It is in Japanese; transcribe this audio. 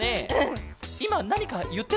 いまなにかいってたケロ？